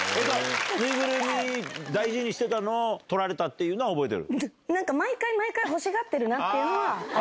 ぬいぐるみ大事にしてたのを取られたっていうのは覚えてる？